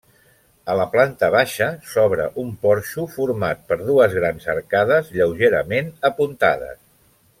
A la planta baixa s'obre un porxo format per dues grans arcades lleugerament apuntades.